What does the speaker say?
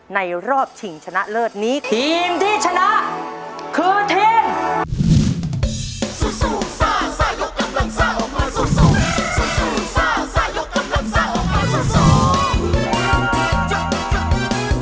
รอบชิงชนะเลิศนี้ทีมที่ชนะคือทีม